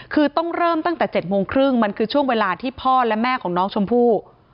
คือต้องเริ่มตั้งแต่๗โมงครึ่งมันคือช่วงเวลาที่พ่อและแม่ของน้องชมพู่